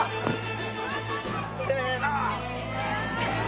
せの。